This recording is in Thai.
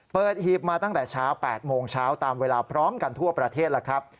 หีบมาตั้งแต่เช้า๘โมงเช้าตามเวลาพร้อมกันทั่วประเทศแล้วครับ